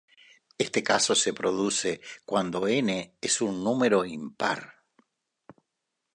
Este caso se produce cuando n es un número impar.